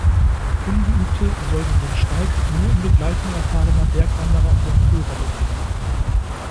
Ungeübte sollten den Steig nur in Begleitung erfahrener Bergwanderer oder Führer begehen.